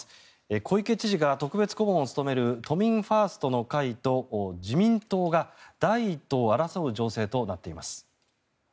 小池知事が特別顧問を務める都民ファーストの会と自民党が第１党を争う情勢となっています。